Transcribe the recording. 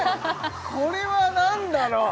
これは何だろう？